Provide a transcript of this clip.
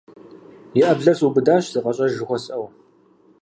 И Ӏэблэр сыубыдащ, зыкъэщӀэж жыхуэсӀэу.